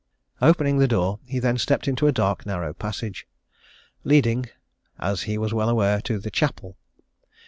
"Opening the door, he then stepped into a dark narrow passage, leading, as he was well aware, to the Chapel.